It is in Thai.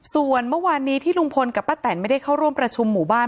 ส่วนเมื่อวานนี้ที่ลุงพลกับป้าแตนไม่ได้เข้าร่วมประชุมหมู่บ้าน